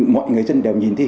mọi người dân đều nhìn thấy